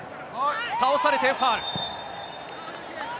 倒されてファウル。